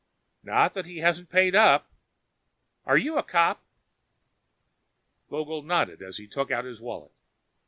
"Not that he hasn't paid up. Are you a cop?" Vogel nodded as he took out his wallet.